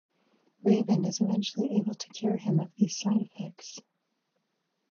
Raven is eventually able to cure him of these side effects.